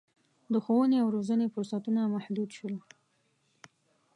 د ښوونې او روزنې فرصتونه محدود شول.